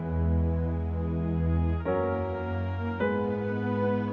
aku mau mano mau t dinggir